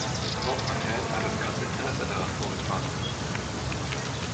Frau Fontaine hat das ganze Interesse daran vorgetragen.